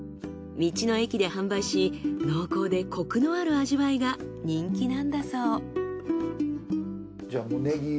道の駅で販売し濃厚でコクのある味わいが人気なんだそう。